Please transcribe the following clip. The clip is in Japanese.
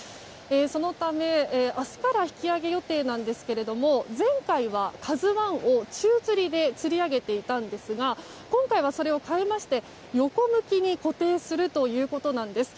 そのため、明日から引き揚げ予定なんですけども前回は「ＫＡＺＵ１」を宙づりでつり上げていたんですが今回はそれを変えまして横向きに固定するということです。